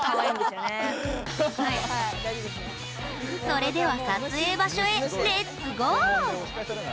それでは撮影場所へ、レッツゴー！